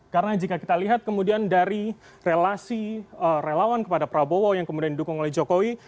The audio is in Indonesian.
karena jika kita lihat kemudian dari relasi relawan kepada prabowo yang kemudian didukung oleh jokowi